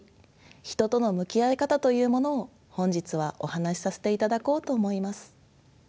人との向き合い方というものを本日はお話しさせていただこうと思います。